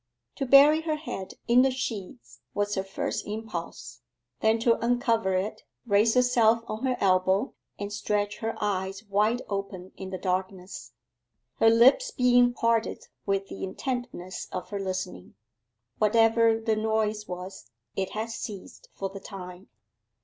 To bury her head in the sheets was her first impulse; then to uncover it, raise herself on her elbow, and stretch her eyes wide open in the darkness; her lips being parted with the intentness of her listening. Whatever the noise was, it had ceased for the time.